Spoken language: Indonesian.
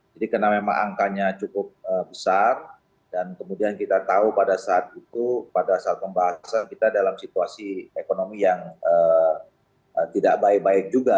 jadi karena memang angkanya cukup besar dan kemudian kita tahu pada saat itu pada saat pembahasan kita dalam situasi ekonomi yang tidak baik baik juga